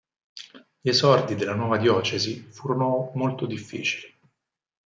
Gli esordi della nuova diocesi furono molto difficili.